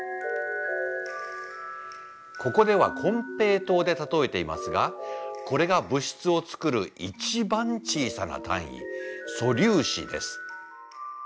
ここでは金平糖でたとえていますがこれが物質を作る一番小さな単位素粒子です。